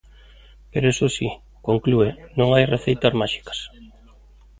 Pero iso si, conclúe, "non hai receitas máxicas".